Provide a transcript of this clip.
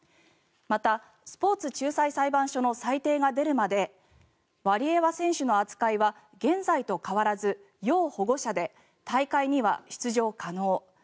また、スポーツ仲裁裁判所の裁定が出るまでワリエワ選手の扱いは現在と変わらず要保護者で大会には出場可能。